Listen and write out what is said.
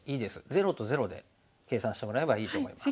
ゼロとゼロで計算してもらえばいいと思います。